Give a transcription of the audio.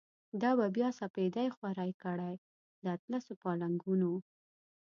دا به بیا سپیدی خوری کړی، داطلسو پالنګونو